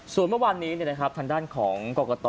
ส่วนเมื่อวานนี้ทางด้านของกรกต